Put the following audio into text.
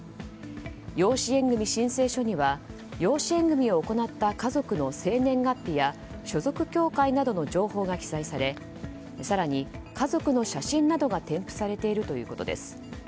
養子縁組申請書には養子縁組を行った家族の生年月日や所属教会などの情報が記載され更に家族の写真などが添付されているということです。